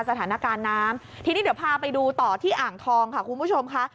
สถานการณ์น้ำทีนี้เดี๋ยวพาไปดูต่อที่อ่างทองค่ะคุณผู้ชมค่ะ